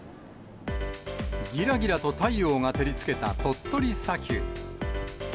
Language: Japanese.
ぎらぎらと太陽が照りつけた鳥取砂丘。